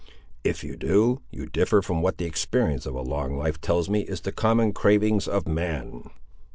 If you do, you differ from what the experience of a long life tells me is the common cravings of man."